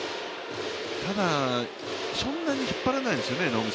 ただ、そんなに引っ張らないですよね。